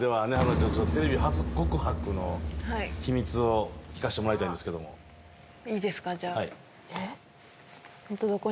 ちょっとテレビ初告白の秘密を聞かせてもらいたいんですけどもいいですかじゃあえっ？